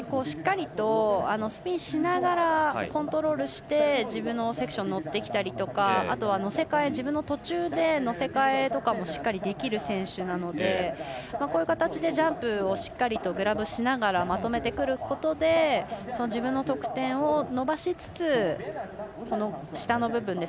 しっかりとスピンしながらコントロールして自分のセクション乗ってきたりとかあとは途中で乗せ替えとかもしっかりできる選手なのでこういう形でジャンプをしっかりグラブしながらまとめてくることで自分の得点を伸ばしつつこの下の部分。